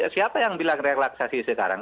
siapa yang bilang relaksasi sekarang